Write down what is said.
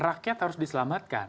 rakyat harus diselamatkan